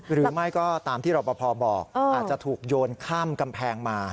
หรือไม่ก็ตามที่รอปภบอกอาจจะถูกโยนข้ามกำแพงมา